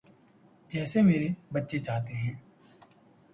جیسے میرے بچے چاہتے ہیں۔